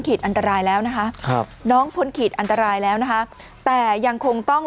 อันตรายแล้วนะคะครับน้องพ้นขีดอันตรายแล้วนะคะแต่ยังคงต้อง